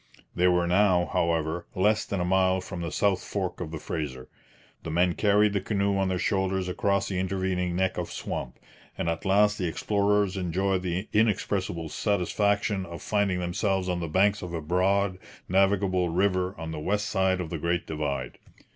They were now, however, less than a mile from the south fork of the Fraser; the men carried the canoe on their shoulders across the intervening neck of swamp, and at last the explorers 'enjoyed the inexpressible satisfaction' of finding themselves on the banks of a broad, navigable river, on the west side of the Great Divide.